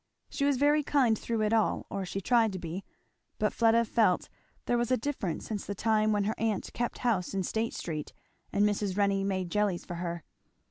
She was very kind through it all, or she tried to be; but Fleda felt there was a difference since the time when her aunt kept house in State street and Mrs. Renney made jellies for her.